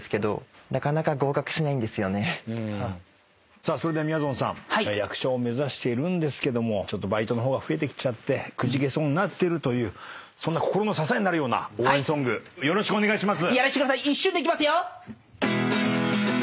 さあそれではみやぞんさん役者を目指しているんですけどバイトの方が増えてきちゃってくじけそうになってるというそんな心の支えになるような応援ソングよろしくお願いします。